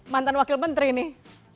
mantan wakil menteri nih